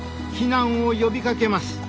避難を呼びかけます。